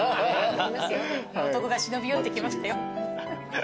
男が忍び寄ってきましたよ。